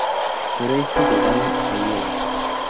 Era hijo de Danny Aiello.